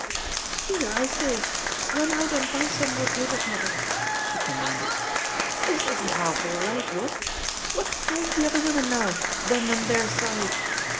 "Here, I say I run out and buy some more papers, mother," she commanded. "This isn't half aU right, what? What price the other women, now, them and their side?